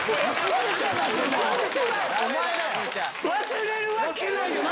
忘れるわけないです！